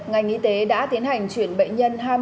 ngành y tế đã tiến hành chuyển bệnh nhân hai mươi bốn